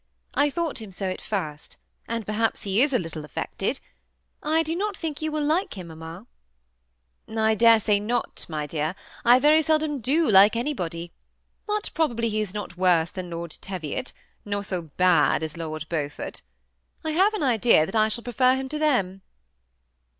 I thought him so at first ; and perhaps he is a little affected. I do not think you will like him, mamma." THE SEMI ATTACHED COUPLE. 141 "I dare say not, my dear: I very seldom do like anybody ; but probably be is not worse than Lord Teviot, nor so bad as Lord Beaufort. I have an idea that I shall prefer him to them."